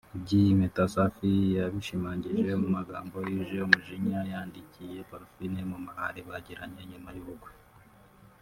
Iby’iyi mpeta Safi yabishimangiye mu magambo yuje umujinya yandikiye Parfine mu mahari bagiranye nyuma y’ubukwe